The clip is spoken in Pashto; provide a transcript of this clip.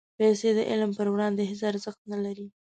پېسې د علم پر وړاندې هېڅ ارزښت نه لري.